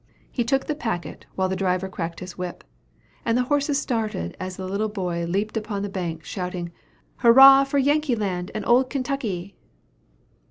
He took the packet, while the driver cracked his whip; and the horses started as the little boy leaped upon the bank, shouting, "Hurra for Yankee Land and old Kentucky!"